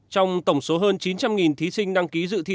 trong tổng số hơn chín trăm linh thí sinh đăng ký dự thi